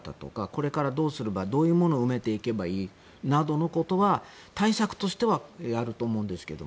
これからどうすればどういうものを埋めていけばいいなどのことは対策としてはやると思うんですけど